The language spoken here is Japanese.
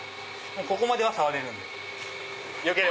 ここまでは触れるんです。